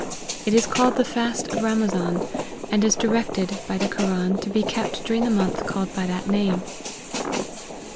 It is called the fast of Ramazan, and is directed by the Koran to be kept during the month called by that name.